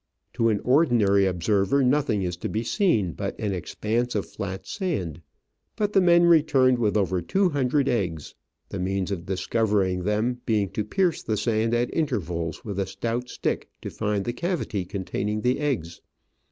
To an ordinary observer nothing is to be seen but an expanse of flat Digitized by VjOOQIC OF AN Orchid Hunter, 97 sand, but the men returned with over two hundred eggs, the means of discovering them being to pierce the sand at intervals with a stout stick to find the cavity containing the eggs.